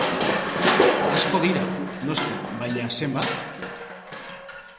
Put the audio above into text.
Asko dira, noski, baina, zenbat?